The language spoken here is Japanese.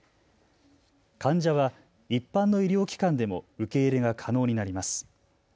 患者は一般の医療機関でも受け入れが可能になります。